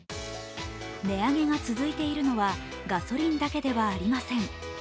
値上げが続いているのはガソリンだけではありません。